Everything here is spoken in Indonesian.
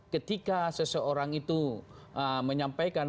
ketika seseorang itu menyampaikan